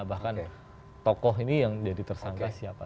bahkan tokoh ini yang jadi tersangka siapa